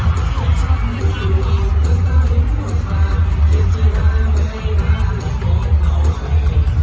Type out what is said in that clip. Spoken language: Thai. ข้าชอบมืออีกเพิ่งตาลิ่งกว่าฟ้าเก็บเจ้าร้านไว้ได้บ้างและพ่อเขาด้วย